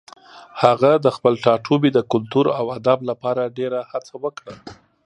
هغه د خپل ټاټوبي د کلتور او ادب لپاره ډېره هڅه وکړه.